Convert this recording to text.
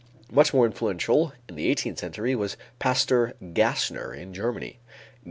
Much more influential in the eighteenth century was Pastor Gassner in Germany.